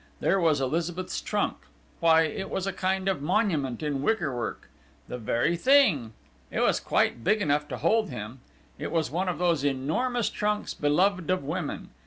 There was Elizabeth's trunk!... Why, it was a kind of monument in wicker work! The very thing! It was quite big enough to hold him it was one of those enormous trunks beloved of women!...